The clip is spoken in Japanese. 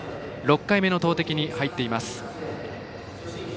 ６回目の投てきに入っています。